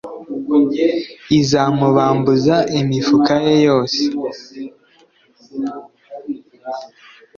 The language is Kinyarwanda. izamubambuza imifuka ye yose